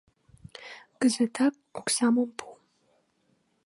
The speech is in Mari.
Кызытак оксам пу!